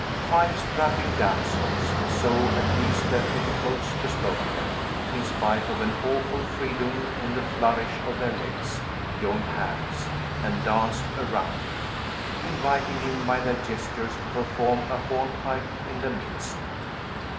Five strapping damsels so, at least, their petticoats bespoke them, in spite of an awful freedom in the flourish of their legs joined hands, and danced around him, inviting him by their gestures to perform a hornpipe in the midst.